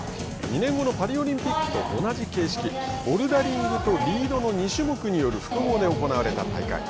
２年後のパリオリンピックと同じ形式ボルダリングとリードの２種目のフクギで行われた大会。